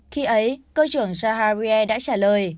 khi ấy cơ trưởng zaharieh đã trả lời